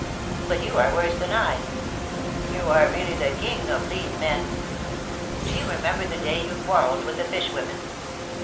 But you are worse than I ! You are really the King of Lean Men. Do you remember the day you quarrelled with the fish women ?